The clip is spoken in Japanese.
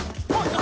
何？